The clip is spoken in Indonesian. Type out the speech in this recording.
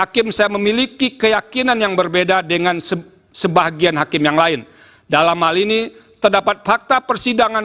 hakim saya memiliki keyakinan yang berbeda dengan sebagian hakim yang lain dalam hal ini terdapat fakta persidangan